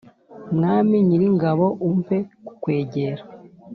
Mwami nyiringabo umpe kukwegera